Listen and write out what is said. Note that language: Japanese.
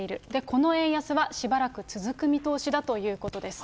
この円安はしばらく続く見通しだということです。